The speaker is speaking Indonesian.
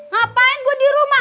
ngapain gue di rumah